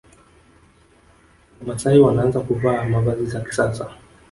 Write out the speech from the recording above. Wamasai wanaanza kuvaa mavazi za kisasa